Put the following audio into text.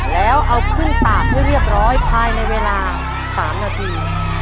แล้วเอาขึ้นตากให้เรียบร้อยภายในเวลา๓นาที